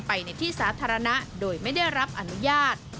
ในที่สาธารณะโดยไม่ได้รับอนุญาต